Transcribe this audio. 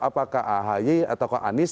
apakah ahi atau anis